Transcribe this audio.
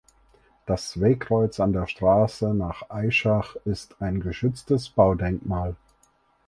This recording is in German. Das Wegkreuz an der Straße nach Aichach ist ein geschütztes Baudenkmal.